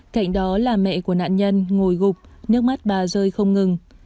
cạnh đó là mẹ của nạn nhân ngồi gục nước mắt bà rơi không ngừng